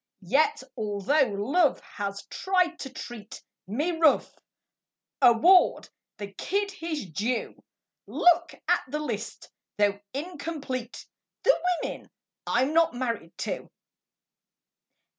Yet although Love has tried to treat Me rough, award the kid his due. Look at the list, though incomplete: The women I'm not married to.